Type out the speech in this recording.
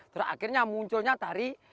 terus akhirnya munculnya tari